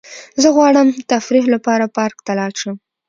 زه غواړم تفریح لپاره پارک ته لاړ شم.